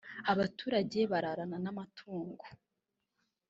abaturage bararana n’amatungo